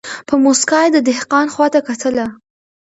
په موسکا یې د دهقان خواته کتله